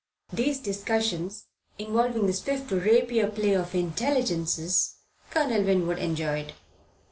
These discussions, involving the swift rapier play of intelligences, Colonel Winwood enjoyed.